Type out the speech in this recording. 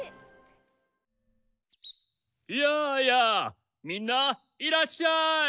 やあやあみんないらっしゃい！